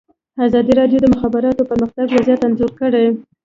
ازادي راډیو د د مخابراتو پرمختګ وضعیت انځور کړی.